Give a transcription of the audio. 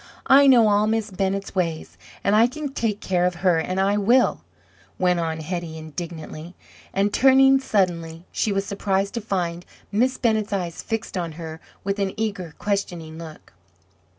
"I know all Miss Bennett's ways, and I can take care of her, and I will," went on Hetty indignantly; and turning suddenly, she was surprised to find Miss Bennett's eyes fixed on her with an eager, questioning look.